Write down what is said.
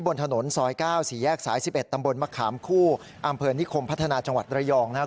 บนถนนซอย๙๔แยกสาย๑๑ตำบลมะขามคู่อำเภอนิคมพัฒนาจังหวัดระยองนะครับ